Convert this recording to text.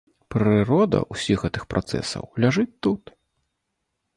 Прырода ўсіх гэтых працэсаў ляжыць тут.